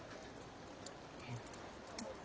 うん。